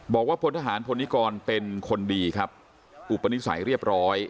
พลทหารพลนิกรเป็นคนดีครับอุปนิสัยเรียบร้อย